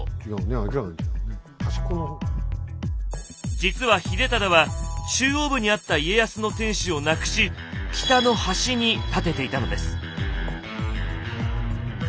実は秀忠は中央部にあった家康の天守をなくし北の端に建てていたのです。